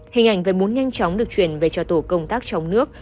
hình ảnh về bún nhanh chóng được truyền về cho tổ công tác trong nước